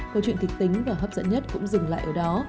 câu chuyện kịch tính và hấp dẫn nhất cũng dừng lại ở đó